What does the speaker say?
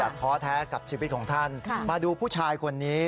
ท้อแท้กับชีวิตของท่านมาดูผู้ชายคนนี้